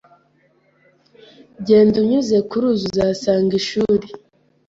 Genda unyuze ku ruzi uzasanga ishuri